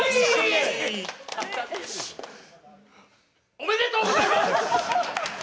おめでとうございます！